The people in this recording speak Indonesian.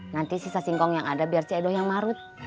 nanti sisa singkong yang ada biar cedoh yang marut